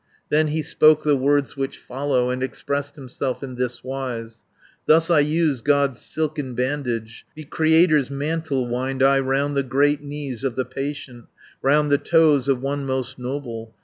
Then he spoke the words which follow, And expressed himself in this wise: "Thus I use God's silken bandage, The Creator's mantle wind I 540 Round the great knees of the patient, Round the toes of one most noble.